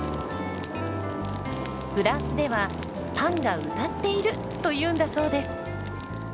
フランスでは「パンが歌っている！」というんだそうです。